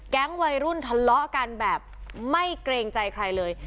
วัยรุ่นทะเลาะกันแบบไม่เกรงใจใครเลย